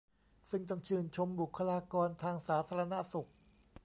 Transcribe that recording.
ซึ่งต้องชื่นชมบุคคลากรทางสาธารณสุข